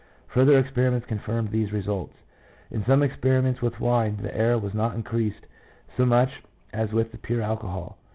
Further experiments confirmed these results. In some ex periments with wine, the error was not increased so much as with the pure alcohol.